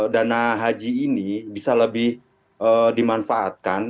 dana haji ini bisa lebih dimanfaatkan